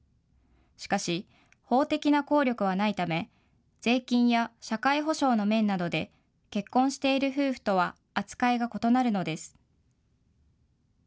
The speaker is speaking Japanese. しかし、法的な効力はないため、税金や社会保障の面などで結婚している夫婦とは扱いが異なるのです。